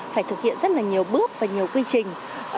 phải thực hiện rất là nhiều bước và nhiều quy trình